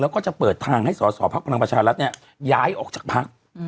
แล้วก็จะเปิดทางให้ส่อพรรณรัชรัชน์เนี่ยย้ายออกจากพรรค